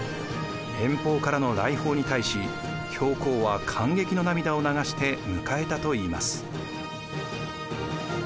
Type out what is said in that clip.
遠方からの来訪に対し教皇は感激の涙を流して迎えたといいます。